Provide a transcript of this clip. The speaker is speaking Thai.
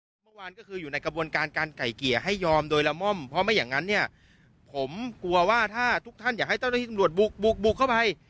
เมื่อวานก็คืออยู่ในกระบวนการการไก่เกลี่ยให้ยอมโดยละม่อมเพราะไม่อย่างนั้นเนี่ยผมกลัวว่าถ้าทุกท่านอยากให้เจ้าหน้าที่ตำรวจบุกบุกเข้าไป